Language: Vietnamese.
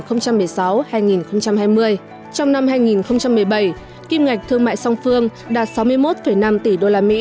trong năm hai nghìn một mươi bảy kim ngạch thương mại song phương đạt sáu mươi một năm tỷ usd